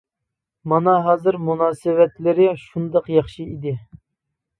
مانا ھازىر مۇناسىۋەتلىرى شۇنداق ياخشى ئىدى.